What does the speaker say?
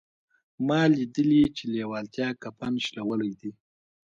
ما ليدلي چې لېوالتیا کفن شلولی دی.